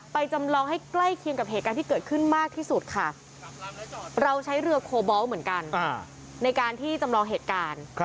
จำลองให้ใกล้เคียงกับเหตุการณ์ที่เกิดขึ้นมากที่สุดค่ะเราใช้เรือโคบอลเหมือนกันในการที่จำลองเหตุการณ์